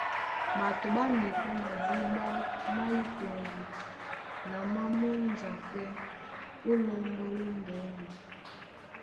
Ɓato ɓá mipɛ́ madíɓá má yí toŋgo na má múnja pɛ́ ó lɔ́ŋgɔ́ lóndɛ́nɛ.